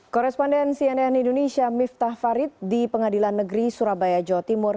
koresponden cnn indonesia miftah farid di pengadilan negeri surabaya jawa timur